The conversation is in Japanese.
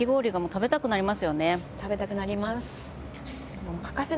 食べたくなります。